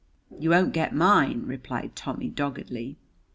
"You won't not get mine," replied Tommy doggedly.